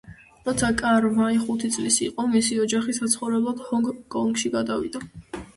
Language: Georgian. როცა კარ-ვაი ხუთი წლის იყო, მისი ოჯახი საცხოვრებლად ჰონგ-კონგში გადავიდა.